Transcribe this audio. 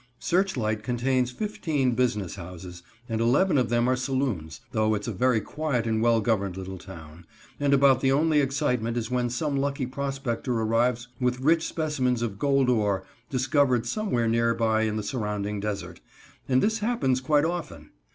Searchlight contains fifteen business houses, and eleven of them are saloons, though its a very quiet and well governed little town, and about the only excitement is when some lucky prospector arrives with rich specimens of gold ore, discovered somewhere nearby in the surrounding desert and this happens quite often.